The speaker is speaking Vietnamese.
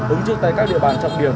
ứng trước tay các địa bàn trọng điểm